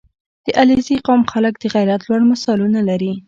• د علیزي قوم خلک د غیرت لوړ مثالونه لري.